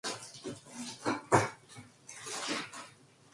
이 한마디에 기천은 고 빳빳하던 모가지가 자라목처럼 옴츠러들지 않을 수 없었다.